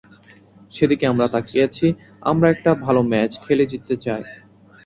সেদিকেই আমরা তাকিয়ে আছি, আমরা একটা ভালো ম্যাচ খেলে জিততে চাই।